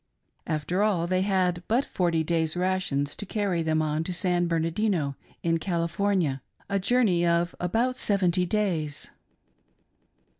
After all, they had but forty days' rations to carry them on to San Bernardino, in California — a journey of about seventy days.